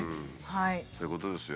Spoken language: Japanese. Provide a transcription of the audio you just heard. はい。